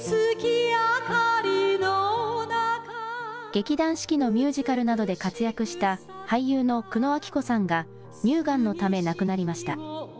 劇団四季のミュージカルなどで活躍した俳優の久野綾希子さんが、乳がんのため、亡くなりました。